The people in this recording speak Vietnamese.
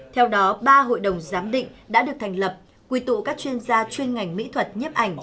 theo đó ba hội đồng giám định đã được thành lập quy tụ các chuyên gia chuyên ngành mỹ thuật nhấp ảnh